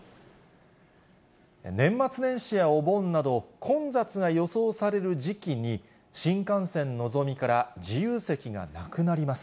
年末年始やお盆など、混雑が予想される時期に、新幹線のぞみから自由席がなくなります。